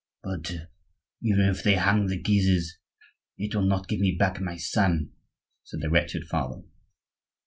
"But, even if they hang the Guises, it will not give me back my son," said the wretched father.